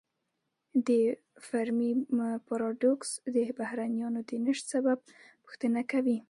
د فرمی پاراډوکس د بهرنیانو د نشت سبب پوښتنه کوي.